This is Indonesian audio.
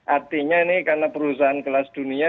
artinya ini karena perusahaan kelas dunia